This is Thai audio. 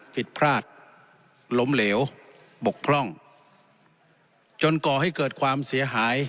ผิดพลาดล้มเหลวบกพร่องจนก่อให้เกิดความเสียหาย